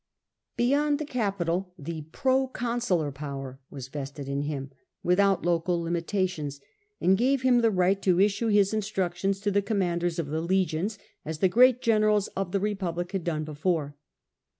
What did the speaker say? Be* Proconsu yond the capital the pro* consular power was laris vested in him without local limitations, and gave him the right to issue his instructions to the com manders of the legions, as the great generals of the repub lic had done before.